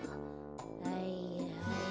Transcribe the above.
はいはい。